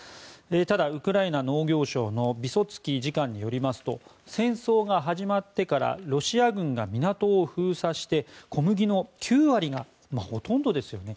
ただ、ウクライナ農業省のビソツキー次官によりますと戦争が始まってからロシア軍が港を封鎖して小麦の９割ほとんどですよね。